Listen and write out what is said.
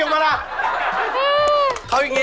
โอ้โหใส่ตู๒๐๒๒โอเค